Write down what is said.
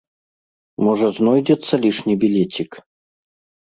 Можа, знойдзецца лішні білецік?